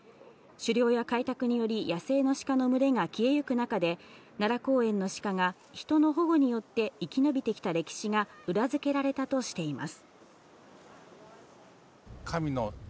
狩猟や開拓により野生のシカの群れが消えゆく中で、奈良公園のシカがヒトの保護によって生き延びてきた歴史が裏付けられたとしています。